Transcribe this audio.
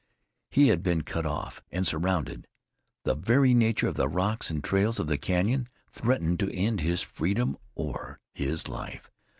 He had been cut off and surrounded; the very nature of the rocks and trails of the canyon threatened to end his freedom or his life.